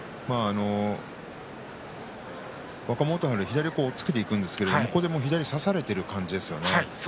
若元春左を押っつけていくんですがここで左を差されている感じですね。